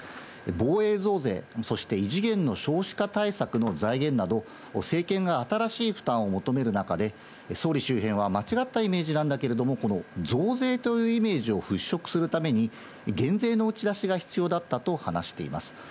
防衛増税、そして異次元の少子化対策の財源など、政権が新しい負担を求める中で、総理周辺は間違ったイメージなんだけれども、この増税というイメージを払拭するために、減税の打ち出しが必要だったと話しています。